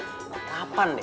kayaknya nilai lu enam deh